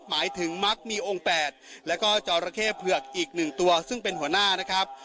หมายถึงมักมีองค์๘แล้วก็จอระเข้เผือกอีก๑ตัวซึ่งเป็นหัวหน้านะครับ